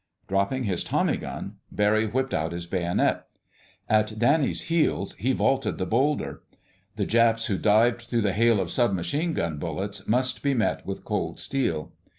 Dropping his tommy gun, Barry whipped out his bayonet. At Danny's heels he vaulted the boulder. The Japs who dived through the hail of sub machine gun bullets must be met with cold steel.